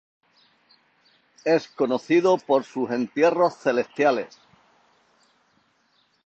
Es conocido por sus entierros celestiales.